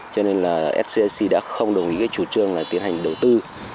cho nên scic đã không đồng ý chủ trương tiến hành đầu tư